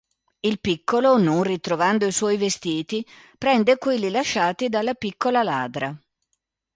Il piccolo, non ritrovando i suoi vestiti, prende quelli lasciati dalla piccola ladra.